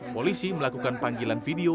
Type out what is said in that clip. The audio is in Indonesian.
polisi melakukan panggilan video